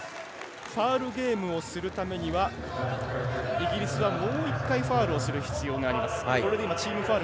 ファウルゲームをするためにはイギリスは、もう１回ファウルをする必要があります。